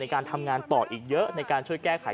การทำงานต่ออีกเยอะในการช่วยแก้ไข